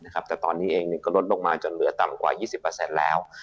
แต่ตอนนี้เองก็ลดลงมาจนเหลือต่ำกว่า๒๐แล้ว